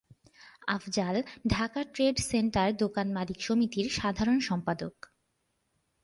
Afzal Dhaka trade centre দোকান মালিক সমিতির সাধারণ সম্পাদক।